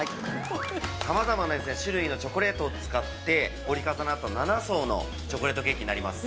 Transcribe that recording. ◆さまざまな種類のチョコレートを使って、折り重なった７層のチョコレートケーキになります。